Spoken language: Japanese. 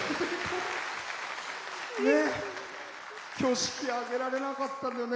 式挙げられなかったんだよね。